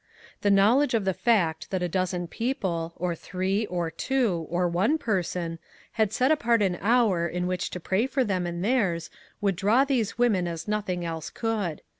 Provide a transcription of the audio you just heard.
The knowledge of the fact that a dozen people, or three, or two, or one person, had set apart an hour in which to pray for them and theirs would draw these women as nothing else could.